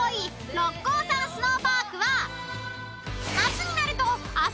六甲山スノーパークは］